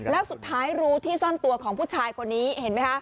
แล้วสุดท้ายรู้ที่ซ่อนตัวของผู้ชายคนนี้เห็นไหมคะ